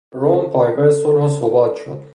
روم پایگاه صلح و ثبات شد.